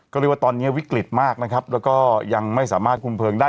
ก็เรียกว่าตอนนี้วิกฤตมากนะครับแล้วก็ยังไม่สามารถคุมเพลิงได้